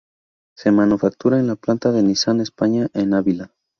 Se manufactura en la planta de Nissan España en Ávila.